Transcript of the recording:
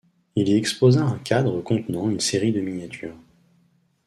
Il y exposa un cadre contenant une série de miniatures.